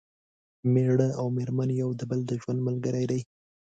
مېړه او مېرمن یو د بل د ژوند ملګري دي